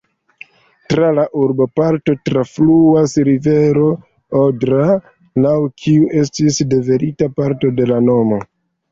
Tra la urboparto trafluas rivero Odra, laŭ kiu estis derivita parto de la nomo.